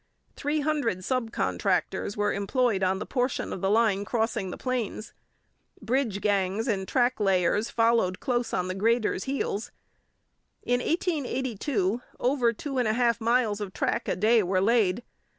Three hundred sub contractors were employed on the portion of the line crossing the plains. Bridge gangs and track layers followed close on the graders' heels. In 1882 over two and a half miles of track a day were laid.